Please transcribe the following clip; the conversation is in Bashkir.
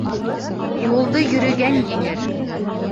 Юлды йөрөгән еңер.